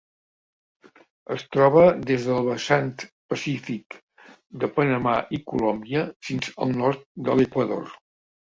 Es troba des del vessant pacífic de Panamà i Colòmbia fins al nord de l'Equador.